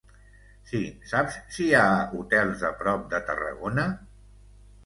Sí, saps si hi ha hotels a prop de Tarragona?